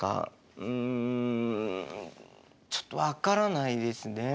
うんちょっと分からないですね。